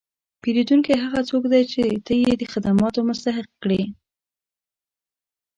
پیرودونکی هغه څوک دی چې ته یې د خدمتو مستحق کړې.